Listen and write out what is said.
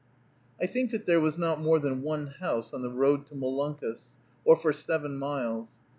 I think that there was not more than one house on the road to Molunkus, or for seven miles.